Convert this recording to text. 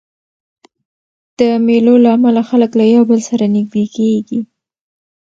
د مېلو له امله خلک له یو بل سره نږدې کېږي.